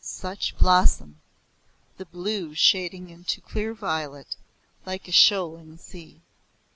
Such blossom! the blue shading into clear violet, like a shoaling sea.